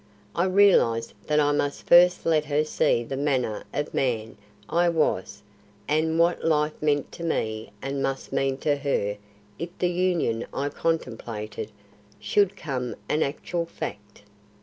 I realised that I must first let her see the manner of man I was and what life meant to me and must mean to her if the union I contemplated should become an actual fact.